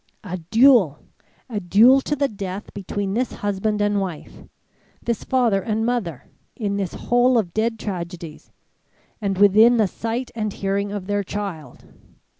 "A duel! a duel to the death between this husband and wife this father and mother in this hole of dead tragedies and within the sight and hearing of their child!